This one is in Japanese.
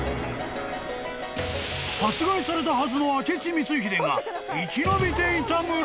［殺害されたはずの明智光秀が生き延びていた村！？］